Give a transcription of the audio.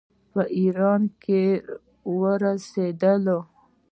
په ایران کې اوسېدل.